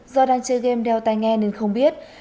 do đang chơi game đeo tay nghe nên không biết